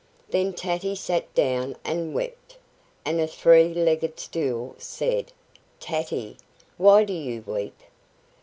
Then Tatty sat down and wept, and a three legged stool said: "Tatty, why do you weep?"